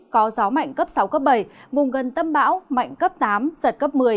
có gió mạnh cấp sáu cấp bảy vùng gần tâm bão mạnh cấp tám giật cấp một mươi